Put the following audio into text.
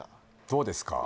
どうですか？